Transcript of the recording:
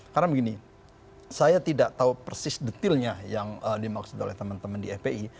karena begini saya tidak tahu persis detailnya yang dimaksud oleh teman teman di fpi